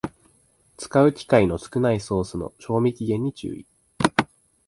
使う機会の少ないソースの賞味期限に注意